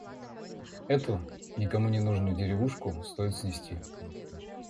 Эту никому ненужную деревушку стоит снести.